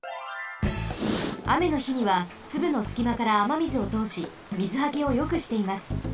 あめのひにはつぶのすきまからあまみずをとおしみずはけをよくしています。